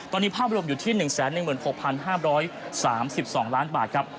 ตอนนี้ภาพรวมอยู่ที่๑๑๖๕๓๒ล้านบาทครับ